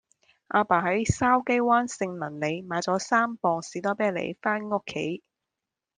亞爸喺筲箕灣盛民里買左三磅士多啤梨返屋企